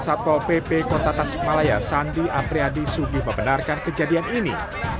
satpol pp kota tasikmalaya sandi apriyadi sugih membenarkan kejadian ini